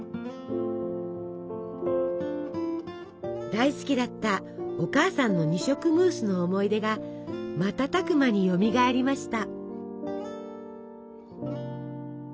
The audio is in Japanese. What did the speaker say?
大好きだったお母さんの二色ムースの思い出が瞬く間によみがえりました。